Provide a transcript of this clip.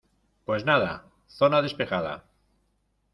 pues nada, zona despejada